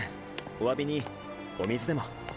お詫びにお水でも。